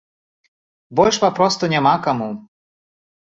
Больш папросту няма каму.